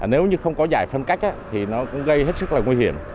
nếu như không có giải phân cách thì nó cũng gây hết sức là nguy hiểm